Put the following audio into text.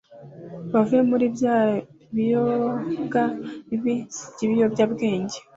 bave muri byabiyoga bibi by’ibiyobyabwenge”